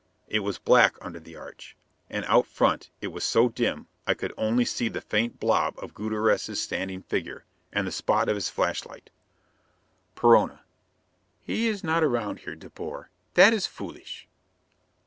It was black under the arch; and out front it was so dim I could only see the faint blob of Gutierrez's standing figure, and the spot of his flashlight. Perona: "He is not around here, De Boer. That is foolish."